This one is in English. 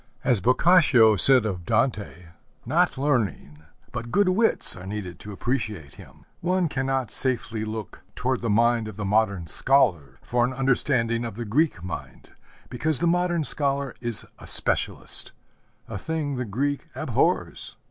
As Boccaccio said of Dante, not learning but good wits are needed to appreciate him. One cannot safely look toward the mind of the modern scholar for an understanding of the Greek mind, because the modern scholar is a specialist a thing the Greek abhors.